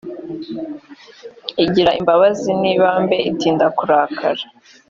igira imbabazi n ibambe itinda kurakara